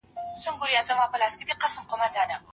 صبر او استقامت په څېړنه کي شرط دی.